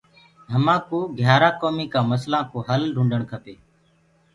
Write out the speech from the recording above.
همآ ڪو گھيآرآ ڪومي ڪآ مسلآ ڪو هل ڍونڊڻ کپي۔